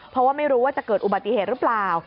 เพราะว่าไม่รู้ว่าจะเกิดอุบัติเหตุหรือเปล่า